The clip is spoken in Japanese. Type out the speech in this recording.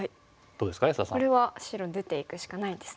これは白出ていくしかないですね。